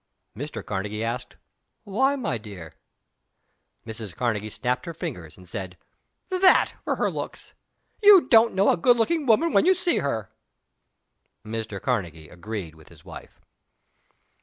Mr. Karnegie asked, "Why, my dear?" Mrs. Karnegie snapped her fingers, and said, "That for her good looks! You don't know a good looking woman when you see her." Mr. Karnegie agreed with his wife.